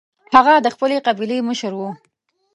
هغه د خپلې قبیلې مشر و.